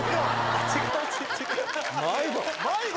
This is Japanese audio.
迷子？